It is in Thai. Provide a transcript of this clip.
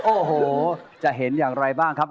โอ้โหจะเห็นอย่างไรบ้างครับ